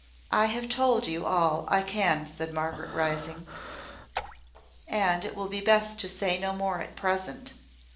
"I have told you all I can," said Margaret rising; "and it will be best to say no more at present.